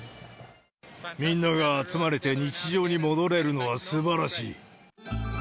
みんなが集まれて日常に戻れるのはすばらしい。